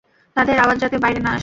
তাদের আওয়াজ যাতে বাইরে না আসে।